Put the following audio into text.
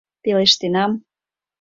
— Пелештенам...